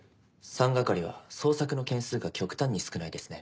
三係は捜索の件数が極端に少ないですね。